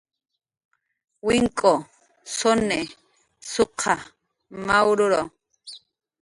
wink'u, suni , suqa , mawruru